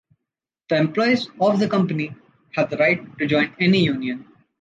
The employees of the company have the right to join any union.